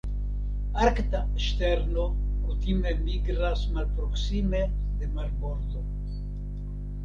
Arkta ŝterno kutime migras malproksime de marbordo.